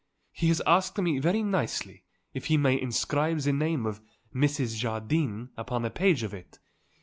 He has asked me very nicely if he may inscribe the name of Mrs. Jardine upon a page of it.